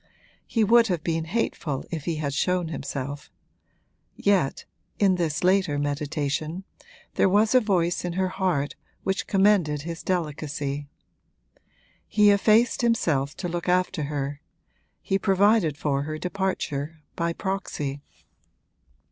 He would have been hateful if he had shown himself; yet (in this later meditation) there was a voice in her heart which commended his delicacy. He effaced himself to look after her he provided for her departure by proxy.